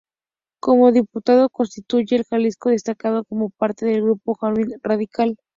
Como diputado constituyente de Jalisco destacó como parte del grupo Jacobino-radical.